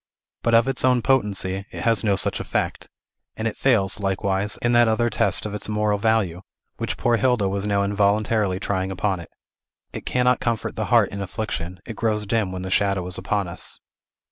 But, of its own potency, it has no such effect; and it fails, likewise, in that other test of its moral value which poor Hilda was now involuntarily trying upon it. It cannot comfort the heart in affliction; it grows dim when the shadow is upon us.